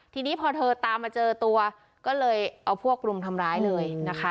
ทีนี้พอเธอตามมาเจอตัวก็เลยเอาพวกรุมทำร้ายเลยนะคะ